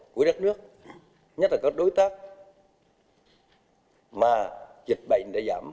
của đất nước nhất là các đối tác mà dịch bệnh đã giảm